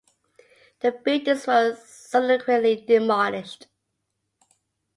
The buildings were subsequently demolished.